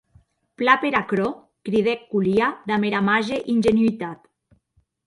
Plan per aquerò, cridèc Kolia damb era màger ingenuitat.